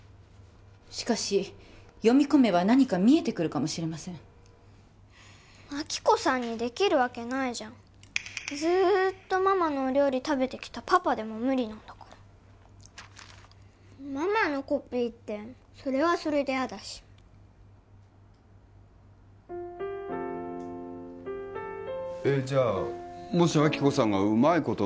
しかし読み込めば何か見えてくるかもしれません亜希子さんにできるわけないじゃんずっとママのお料理食べてきたパパでも無理なんだからママのコピーってそれはそれでやだしえっじゃあもし亜希子さんがうまいこと